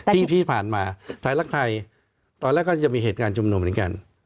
ที่ผ่านมาไทยรักไทยตอนแรกก็จะมีเหตุการณ์ชุมนุมเหมือนกัน